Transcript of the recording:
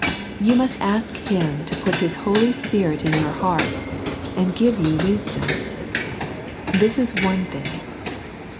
You must ask Him to put His Holy Spirit in your hearts, and give you wisdom. This is one thing.